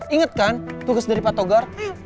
ingat kan tugas dari pak togar